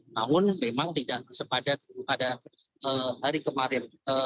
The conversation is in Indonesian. namun memang tidak sepadat pada hari kemarin